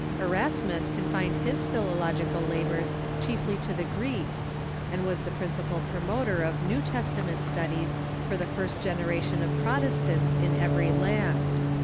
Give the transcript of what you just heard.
Eras mus confined his philological labors chiefly to the Greek, and was the principal promoter of New Testament studies for the first generation of Protestants in every land.